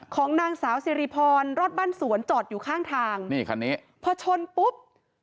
ของนางสาวเซรีพรรอดบ้านสวนจอดอยู่ข้างทางพอชนปุ๊บ